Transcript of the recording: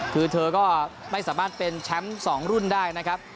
คือเธอก็ไม่สามารถเป็นแชมป์๒รุ่นได้นะครับ